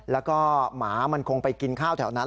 แล้วก็หมามันคงไปกินข้าวแถวนั้น